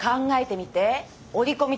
折り込み